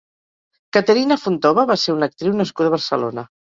Caterina Fontova va ser una actriu nascuda a Barcelona.